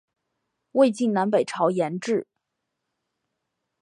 魏晋南北朝沿置。